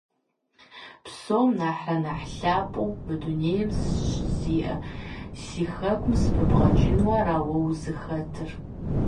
Псом нэхърэ нэхъ лъапӀэу мы дунейм щызиӀэ си хэкум сыпыбгъэкӀыну ара уэ узыхэтыр?